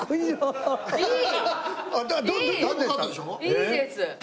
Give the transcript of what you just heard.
いいです。